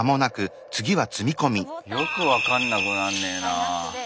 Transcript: よく分かんなくなんねえな。